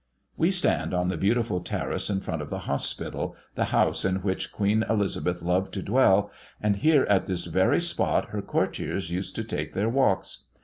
We stand on the beautiful terrace in front of the Hospital, the house in which Queen Elizabeth loved to dwell, and here at this very spot her courtiers used to take their walks.